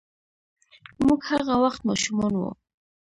موږ هغه وخت ماشومان وو.